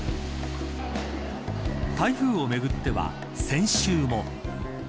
台風をめぐっては先週も。